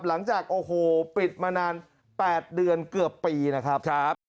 หลังจากโอ้โหปิดมานาน๘เดือนเกือบปีนะครับ